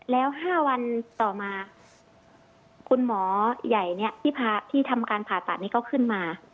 แล้ว๕วันต่อมาคุณหมอใหญ่ที่ทำการผ่าตัดนี้ก็ขึ้นมา